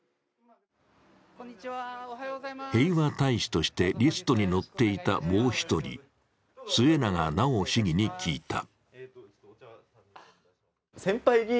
平和大使としてリストに載っていたもう一人、末永直市議に聞いた。